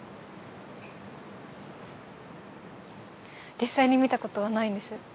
実際に見たことはないんです。